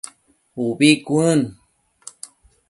Ubi cuën